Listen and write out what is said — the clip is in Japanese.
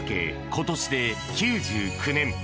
今年で９９年